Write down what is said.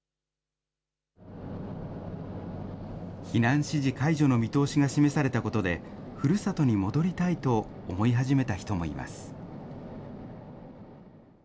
避難指示解除の見通しが示されたことで、ふるさとに戻りたいと思い始めた人もいます。